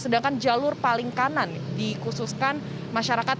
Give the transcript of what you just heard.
sedangkan jalur paling kanan dikhususkan masyarakat